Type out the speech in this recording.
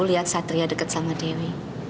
lihat satria dekat sama dewi